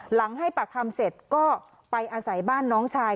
หลังให้ปากคำเสร็จก็ไปอาศัยบ้านน้องชาย